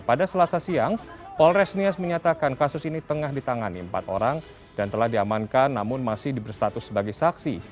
pada selasa siang polres nias menyatakan kasus ini tengah ditangani empat orang dan telah diamankan namun masih diberstatus sebagai saksi